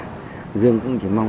hòa dương cũng chỉ mong